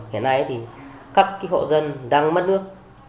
hiện nay thì các hộ dân đang mất nước